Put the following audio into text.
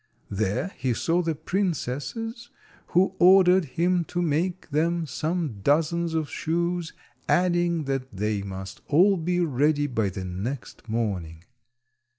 There he saw the princesses, who ordered him to make them some dozens of shoes, adding that they must all be ready by the next morning.